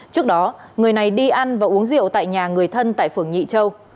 trước đó người này đi ăn và uống rượu tại nhà người thân tại phường nhị châu